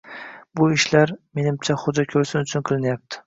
Bu ishlar, menimcha, xo‘jako‘rsin uchun qilinyapti.